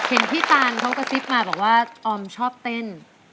เห็นพี่ตานเขากระซิบมาบอกว่าออมชอบเต้น